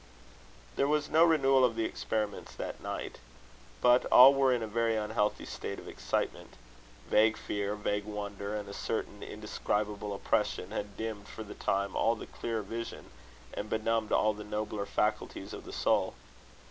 There was no renewal of the experiments that night. But all were in a very unhealthy state of excitement. Vague fear, vague wonder, and a certain indescribable oppression, had dimmed for the time all the clearer vision, and benumbed all the nobler faculties of the soul.